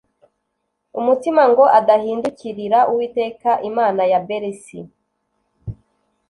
umutima ngo adahindukirira uwiteka imana ya berisi